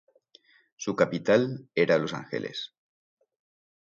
Su capital era Los Ángeles.